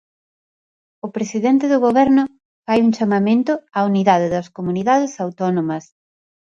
O presidente do Goberno fai un chamamento á unidade das comunidades autónomas.